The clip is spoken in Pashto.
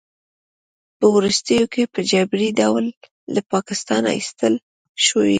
په وروستیو کې په جبري ډول له پاکستانه ایستل شوی